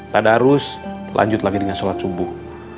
tidak harus lanjut lagi dengan sholat subuh